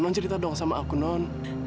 non cerita dong sama akun non